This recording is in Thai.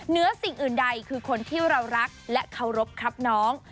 สิ่งอื่นใดคือคนที่เรารักและเคารพครับน้อง